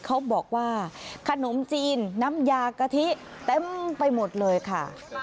เขาบอกว่าขนมจีนน้ำยากะทิเต็มไปหมดเลยค่ะ